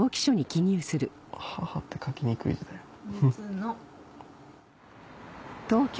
「母」って書きにくい字だよな。